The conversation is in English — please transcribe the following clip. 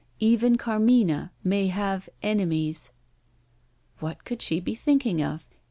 Even Carmina may have enemies!" What could she be thinking of?